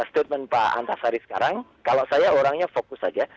tapi kalau saya orangnya fokus saja